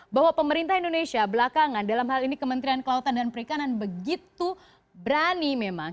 bahwa pemerintah indonesia belakangan dalam hal ini kementerian kelautan dan perikanan begitu berani memang